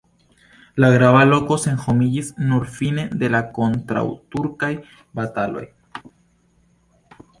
La grava loko senhomiĝis nur fine de la kontraŭturkaj bataloj.